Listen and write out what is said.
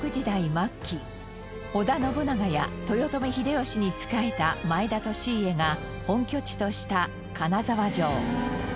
末期織田信長や豊臣秀吉に仕えた前田利家が本拠地とした金沢城。